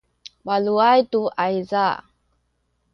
waluay tu ayza